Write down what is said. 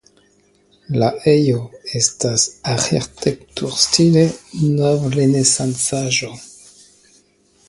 La ejo estas arĥitekturstile novrenesancaĵo.